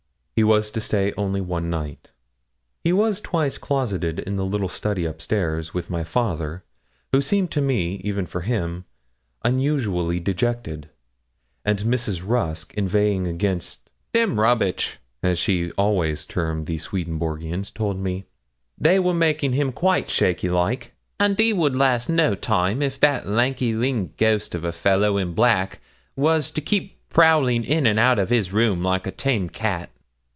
He was to stay only one night. He was twice closeted in the little study up stairs with my father, who seemed to me, even for him, unusually dejected, and Mrs. Rusk inveighing against 'them rubbitch,' as she always termed the Swedenborgians, told me 'they were making him quite shaky like, and he would not last no time, if that lanky, lean ghost of a fellow in black was to keep prowling in and out of his room like a tame cat.'